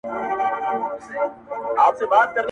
چي نه عقل او نه زور د چا رسېږي-